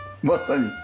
まさに。